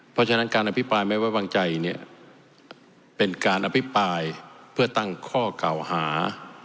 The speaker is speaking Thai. เพราะฉะนั้นการอภิปรายไม่ไว้วางใจเนี่ยเป็นการอภิปรายเพื่อตั้งข้อเก่าหา